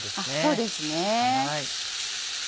そうですね。